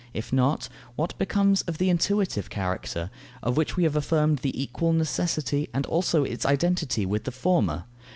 If not, what becomes of the intuitive character, of which we have affirmed the equal necessity and also its identity with the former?